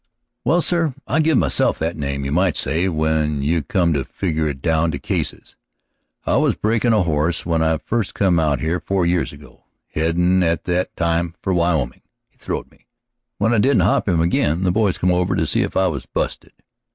"Well, sir, I give myself that name, you might say, when you come to figger it down to cases. I was breakin' a horse when I first come out here four years ago, headin' at that time for Wyoming. He throwed me. When I didn't hop him ag'in, the boys come over to see if I was busted.